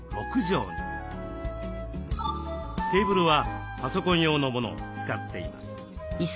テーブルはパソコン用のものを使っています。